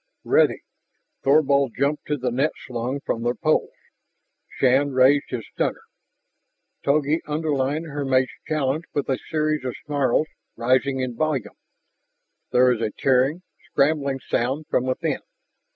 "Ready!" Thorvald jumped to the net slung from the poles; Shann raised his stunner. Togi underlined her mate's challenge with a series of snarls rising in volume. There was a tearing, scrambling sound from within.